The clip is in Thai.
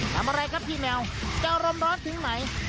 ทำอะไรครับพี่แมวเจ้ารมร้อนผิงใหม่